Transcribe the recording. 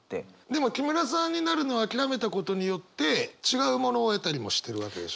でも木村さんになるのを諦めたことによって違うものを得たりもしてるわけでしょ？